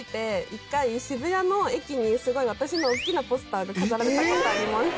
一回渋谷の駅にすごい私の大きなポスターが飾られた事あります。